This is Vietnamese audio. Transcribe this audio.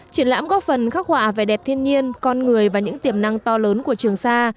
triển lãm góp phần khắc họa vẻ đẹp thiên nhiên con người và những tiềm năng to lớn của trường sa